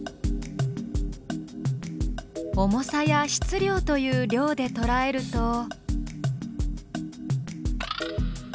「重さ」や「質量」という「量」でとらえると。